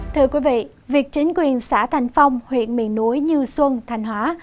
thưa quý vị việc chính quyền xã thành phong huyện miền núi như xuân thành hóa